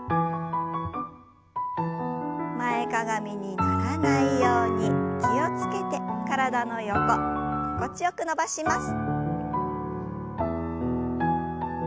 前かがみにならないように気を付けて体の横心地よく伸ばします。